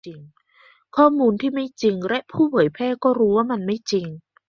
ข้อมูลที่ไม่จริง และผู้เผยแพร่ก็รู้ว่ามันไม่จริง